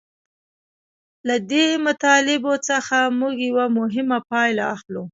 له دې مطالبو څخه موږ یوه مهمه پایله اخلو